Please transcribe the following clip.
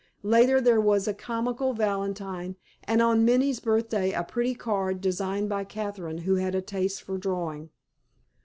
Later there was a comical valentine, and on Minnie's birthday a pretty card, designed by Catherine, who had a taste for drawing.